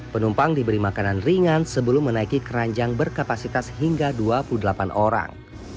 penumpang diberi makanan ringan sebelum menaiki keranjang berkapasitas hingga dua puluh delapan orang